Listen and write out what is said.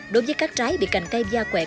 đối với các trái bị cành cây da quẹt